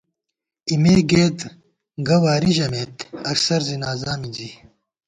اېمےگئیت گہ واری ژِمېت اکثر زِنازا مِنزی